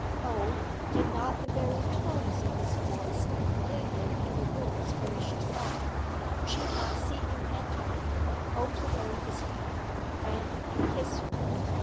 Oh, did not the very tones of his voice linger in the rooms where she sat? Could she not see him enter, hold to her his hand, bend and kiss her?